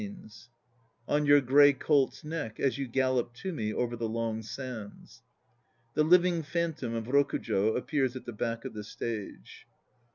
145 146 THE NO PLAYS OF JAPAN On your grey colt's neck As you gallop to me Over the long sands! (The living phantasm of ROKUJO appears at the back of the stage.)